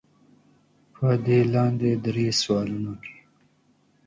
پۀ دې لاندې درې سوالونو کښې